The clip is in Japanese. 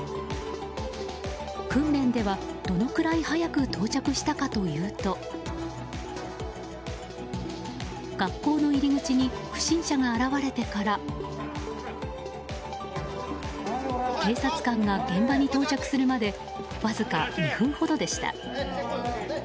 訓練では、どのくらい早く到着したかというと学校の入り口に不審者が現れてから警察官が現場に到着するまでわずか２分ほどでした。